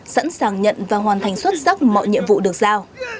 sẵn sàng nhận và hoàn thành xuất sắc mọi nhiệm vụ được giao